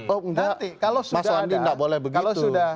oh nanti kalau sudah ada